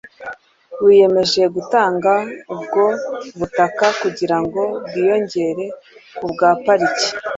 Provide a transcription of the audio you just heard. wiyemeje gutanga ubwo butaka kugira ngo bwiyongere ku bwa pariki